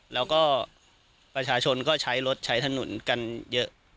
แล้วก็ประชาชนก็ใช้รถใช้ถนนกันเยอะ